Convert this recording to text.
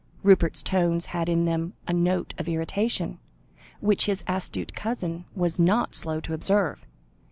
Rupert's tones had in them a note of irritation, which his astute cousin was not slow to observe.